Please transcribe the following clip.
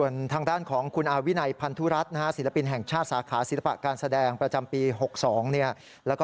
อย่างรวดเร็ว